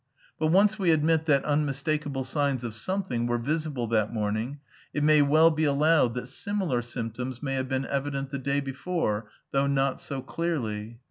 But once we admit that unmistakable signs of something were visible that morning, it may well be allowed that similar symptoms may have been evident the day before, though not so clearly.